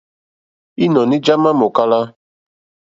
Ínɔ̀ní já má èmòkála.